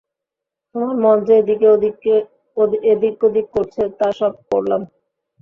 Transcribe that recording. তোমার মন যে এদিক ওদিক করছে, তা সব পড়লাম।